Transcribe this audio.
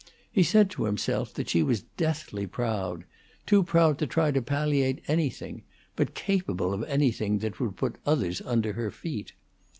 He said to himself that she was deathly proud too proud to try to palliate anything, but capable of anything that would put others under her feet.